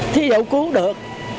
thí dụ cứu được